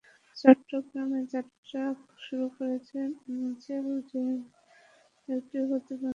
চট্টগ্রামে যাত্রা শুরু করেছে এনজেল ডিসএবলড অরগানাইজেশন নামের একটি প্রতিবন্ধী বিষয়ক সংগঠন।